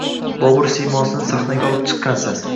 Bobur siymosini sahnaga olib chiqqansiz